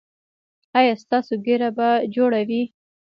ایا ستاسو ږیره به جوړه وي؟